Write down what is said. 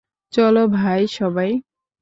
চলো ভাই সবাই!